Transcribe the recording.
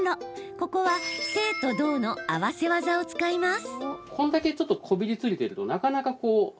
ここは静と動の合わせ技を使います。